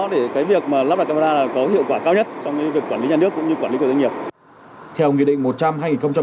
để cái việc lắp bật camera có hiệu quả cao nhất trong việc quản lý nhà nước cũng như quản lý của doanh nghiệp